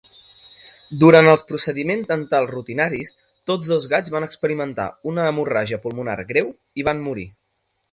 Durant els procediments dentals rutinaris, tots dos gats van experimentar una hemorràgia pulmonar greu i van morir.